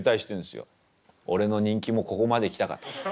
「俺の人気もここまで来たか」と。